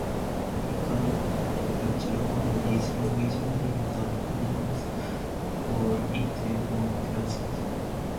A typical feature of this language family is that nouns fall into noun classes.